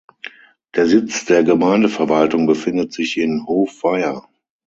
Der Sitz der Gemeindeverwaltung befindet sich in Hofweier.